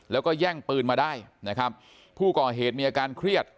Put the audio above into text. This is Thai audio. แล้วก็แย่งปืนมาได้นะครับผู้ก่อเหตุมีอาการเครียด